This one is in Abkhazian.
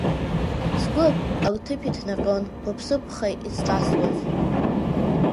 Сгәы аҭыԥ иҭнаҟьон лыԥсыԥ ԥха исҿасуаз…